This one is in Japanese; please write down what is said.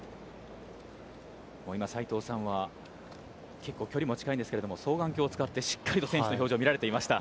今、斎藤さんは結構距離も近いんですけれども、双眼鏡を使って、選手たちの表情を見られていました。